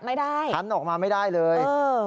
ไม่ทันออกมาไม่ได้เลย